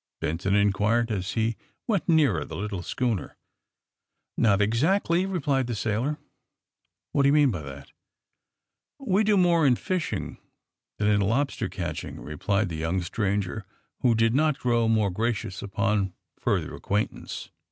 Benson in quired, as he went nearer the little schooner. AND THE SMUGGLERS 37 ''Not exactly/^ replied the sailor. ''What do you mean by that?" '' We do more in fishing than in lobster catch ing," replied the young stranger, who did not grow more gracious upon further acquaintance.